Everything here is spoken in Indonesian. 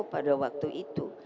pada waktu itu